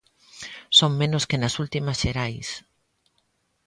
Son menos que nas últimas xerais.